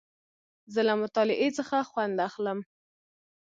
زه له مطالعې څخه خوند اخلم.